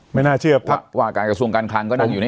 ไม่น่าเชื่อว่ากลายกระทดิศัพท์การคังก็นั่งอยู่นี่